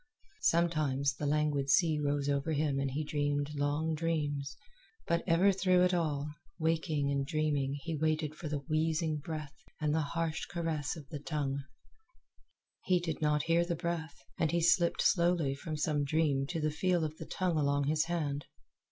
Sometimes the languid sea rose over him and he dreamed long dreams; but ever through it all, waking and dreaming, he waited for the wheezing breath and the harsh caress of the tongue. He did not hear the breath, and he slipped slowly from some dream to the feel of the tongue along his hand.